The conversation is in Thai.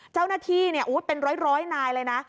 เจ้าหน้าที่เป็นร้อยนายเลยนะ